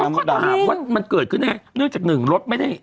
จะตามว่ามันเกิดขึ้นไงเรื่องจากนึงรถไม่ได้